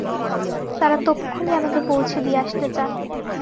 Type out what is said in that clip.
তাঁরা তক্ষুনি আমাকে পৌঁছে দিয়ে আসতে চান।